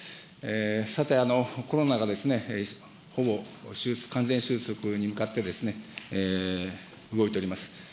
さて、コロナがほぼ完全終息に向かって、動いております。